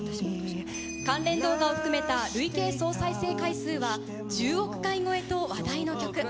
関連動画を含めた累計総再生回数は１０億回越えと話題の曲。